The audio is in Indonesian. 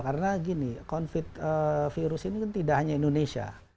karena gini covid virus ini kan tidak hanya indonesia